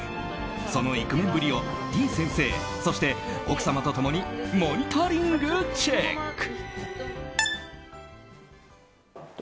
そのイクメンぶりをてぃ先生、そして奥様と共にモニタリングチェック。